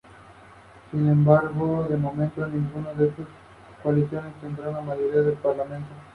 Es hermano de Jordan Silva y Paulina Silva.